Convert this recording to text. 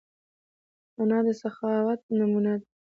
انا د سخاوت نمونه ده